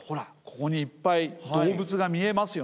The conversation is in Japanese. ここにいっぱい動物が見えますよね。